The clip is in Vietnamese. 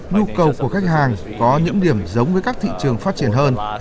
nhu cầu của khách hàng có những điểm giống với các thị trường phát triển hơn